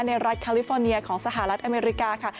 รัฐแคลิฟอร์เนียของสหรัฐอเมริกาค่ะ